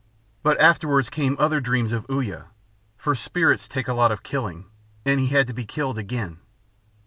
But afterwards came other dreams of Uya for spirits take a lot of killing, and he had to be killed again.